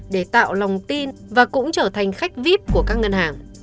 để tạo lòng tin và cũng trở thành khách vip của các ngân hàng